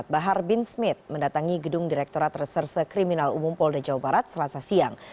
bahar bin smith mendatangi gedung direkturat reserse kriminal umum polda jawa barat selasa siang